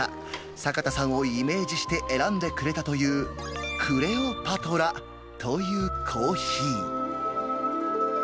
坂田さんをイメージして選んでくれたというクレオパトラというコーヒー。